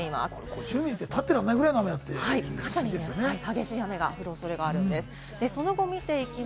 ５０ミリって立ってらんないくらいの雨だって言いますよね。